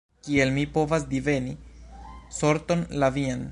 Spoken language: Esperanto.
Kiel mi povas diveni sorton la vian?